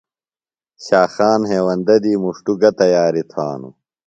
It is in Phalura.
شاخان ہیوندہ دی مُݜٹوۡ گہ تیاریۡ تھانوۡ؟